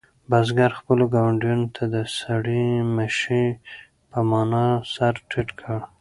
بزګر خپلو ګاونډیانو ته د ستړي مه شي په مانا سر ټیټ کړ.